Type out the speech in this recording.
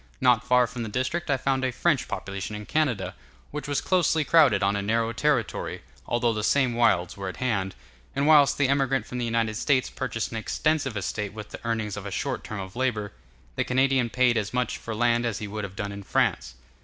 Not far from that district I found a French population in Canada, which was closely crowded on a narrow territory, although the same wilds were at hand; and whilst the emigrant from the United States purchased an extensive estate with the earnings of a short term of labor, the Canadian paid as much for land as he would have done in France.